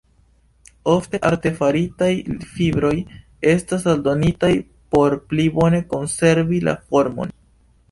Ofte artefaritaj fibroj estas aldonitaj por pli bone konservi la formon.